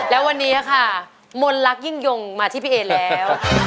แล้ววันนี้ค่ะมนลักษิ่งมาที่พี่เอแล้ว